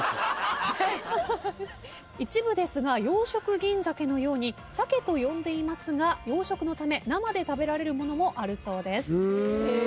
一部ですが養殖銀鮭のように鮭と呼んでいますが養殖のため生で食べられるものもあるそうです。